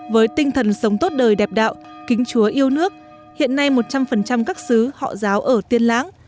với tinh thần sống tốt đời đẹp đạo kính chúa yêu nước hiện nay một trăm linh các sứ họ giáo ở tiên lãng